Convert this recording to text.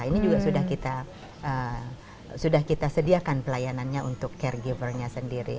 ini juga sudah kita sediakan pelayanannya untuk caregivernya sendiri